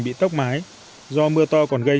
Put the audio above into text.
bị tốc mái do mưa to còn gây